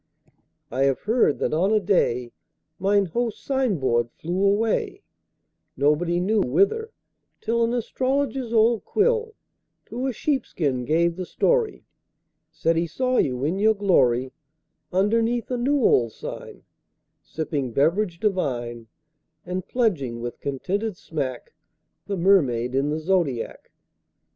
I have heard that on a day Mine host's sign board flew away, Nobody knew whither, till An astrologer's old quill To a sheepskin gave the story, Said he saw you in your glory, Underneath a new old sign Sipping beverage divine, 20 And pledging with contented smack The Mermaid in the Zodiac.